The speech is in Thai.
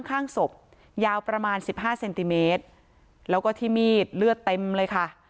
ข้างศพยาวประมาณสิบห้าเซนติเมตรแล้วก็ที่มีดเลือดเต็มเลยค่ะ